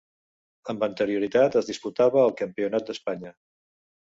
Amb anterioritat es disputava el Campionat d'Espanya.